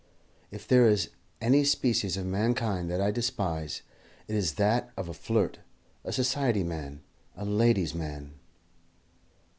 If there is any species of mankind that I despise, it is that of a flirt, a society man, a ladies' man."